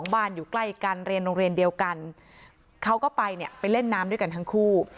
บ้านอยู่ใกล้กันเรียนโรงเรียนเดียวกันเขาก็ไปเนี่ยไปเล่นน้ำด้วยกันทั้งคู่